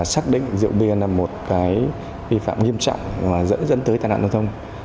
xác định rượu bia là một cái vi phạm nghiêm trọng mà dẫn tới tai nạn giao thông